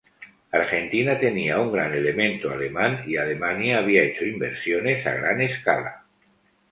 Argentina tenía un gran elemento alemán y Alemania había hecho inversiones a gran escala.